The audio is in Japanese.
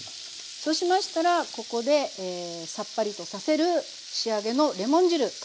そうしましたらここでさっぱりとさせる仕上げのレモン汁加えていきたいと思います。